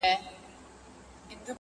نه په حورو پسي ورک به ماشومان سي؛